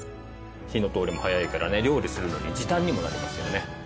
火の通りも早いからね料理するのに時短にもなりますよね。